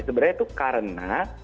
sebenarnya itu karena